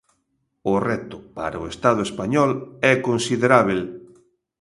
O reto para o Estado español é considerábel.